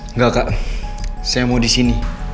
nggak kak saya mau disini